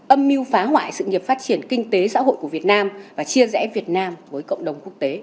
âm mưu phá hoại sự nghiệp phát triển kinh tế xã hội của việt nam và chia rẽ việt nam với cộng đồng quốc tế